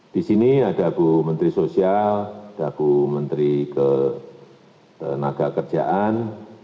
di sini ada bu menteri sosial ada bu menteri ketenaga kerjaan